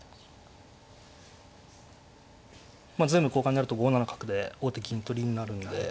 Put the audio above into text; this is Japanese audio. まあ全部交換になると５七角で王手金取りになるんで。